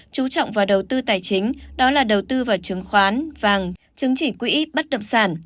chú trọng vào đầu tư tài chính đó là đầu tư vào chứng khoán vàng chứng chỉ quỹ bất động sản